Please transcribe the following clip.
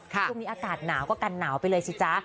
ช่วงนี้อากาศหนาวก็กันหนาวไปเลยสิจ๊ะ